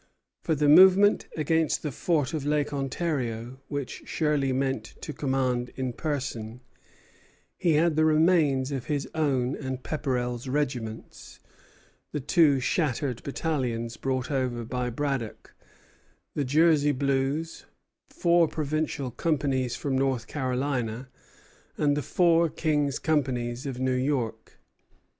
For the movement against the forts of Lake Ontario, which Shirley meant to command in person, he had the remains of his own and Pepperell's regiments, the two shattered battalions brought over by Braddock, the "Jersey Blues," four provincial companies from North Carolina, and the four King's companies of New York.